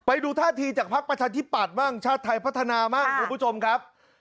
ไปดูท่าทีจากพักประชาธิปัตย์บ้างชาติไทยพัฒนาบ้างคุณผู้ชมครับ